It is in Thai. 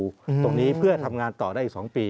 ตรงนี้เพื่อทำงานต่อได้อีก๒ปี